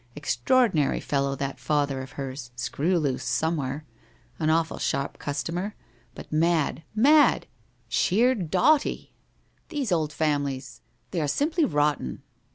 Extraordinary fellow that father of her's. Screw loose somewhere. An awful sharp customer. But mad — mad — sheer dotty! These old families ... they are simply rotten.